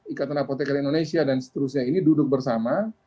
ikatan apotekar indonesia dan seterusnya ini duduk bersama